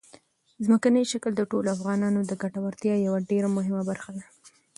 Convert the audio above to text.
ځمکنی شکل د ټولو افغانانو د ګټورتیا یوه ډېره مهمه برخه ده.